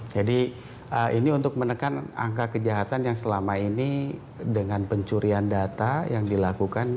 jadi ini untuk menekan angka kejahatan yang selama ini dengan pencurian data yang dilakukan